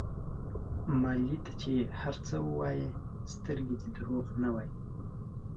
مالې ته چې هر څه ووايې سترګې دې دروغ نه وايي.